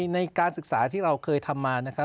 ในการศึกษาที่เราเคยทำมานะครับ